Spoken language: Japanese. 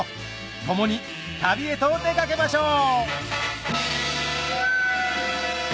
共に旅へと出かけましょう！